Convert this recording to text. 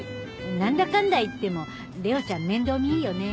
何だかんだ言っても玲緒ちゃん面倒見いいよね。